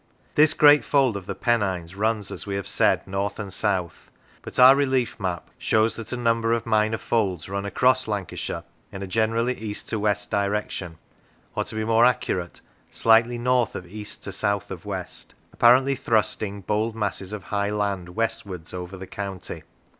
This great fold of the Pennines runs, as we have said, north and south; but our relief map shows that a number of minor folds run across Lancashire in a generally east to west direction, or (to be more accurate) slightly north of east to south of west; apparently thrusting bold masses of high land westwards over the county.